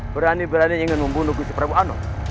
berani berani ingin membunuhku si prabu anon